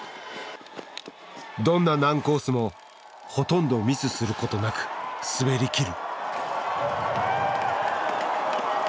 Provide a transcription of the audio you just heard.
どんな難コースもほとんどミスすることなく滑りきる。